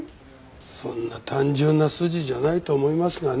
そんな単純な筋じゃないと思いますがね。